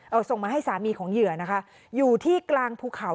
เอาส่งมาให้สามีของเหยื่อนะคะอยู่ที่กลางภูเขา